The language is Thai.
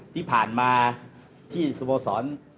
ที่ผ่านมาที่สโมสร